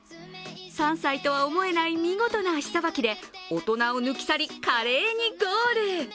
３歳とは思えない見事な足さばきで大人を抜き去り、華麗にゴール。